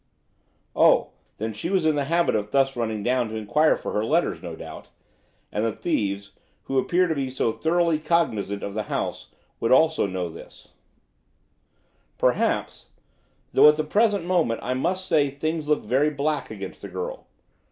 "Oh, then, she was in the habit of thus running down to enquire for her letters, no doubt, and the thieves, who appear to be so thoroughly cognizant of the house, would know this also." "Perhaps; though at the present moment I must say things look very black against the girl.